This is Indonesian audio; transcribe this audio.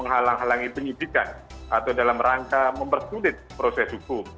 halang halangi penyibikan atau dalam rangka mempersulit proses hukum